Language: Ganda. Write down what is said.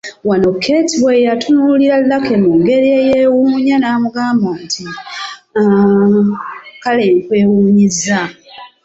Wano Keeti we yatunuulirira Lucky mu ngeri eyeewuunya n’amugamba nti, “Hhhh…., kale nkwewuunyizza!